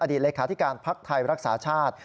เลขาธิการภักดิ์ไทยรักษาชาติ